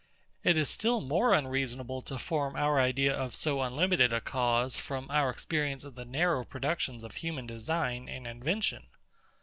It is still more unreasonable to form our idea of so unlimited a cause from our experience of the narrow productions of human design and invention.